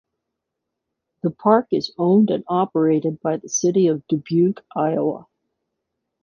The park is owned and operated by the city of Dubuque, Iowa.